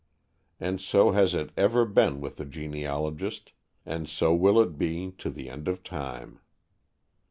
And so has it ever been with the genealogist, and so will it be to the end of time.